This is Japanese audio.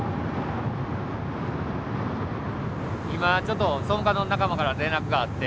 今ちょっと総務課の仲間から連絡があって。